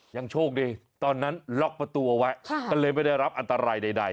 ยังโชคดีตอนนั้นล็อกประตูเอาไว้ก็เลยไม่ได้รับอันตรายใด